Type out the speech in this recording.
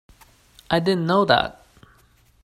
I didn't know that.